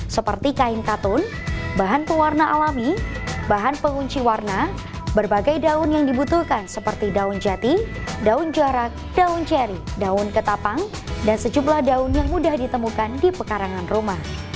seperti kain katun bahan pewarna alami bahan pengunci warna berbagai daun yang dibutuhkan seperti daun jati daun juara daun jerry daun ketapang dan sejumlah daun yang mudah ditemukan di pekarangan rumah